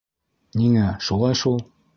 — Ниңә, шулай шул.